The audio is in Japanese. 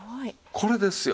これですよ。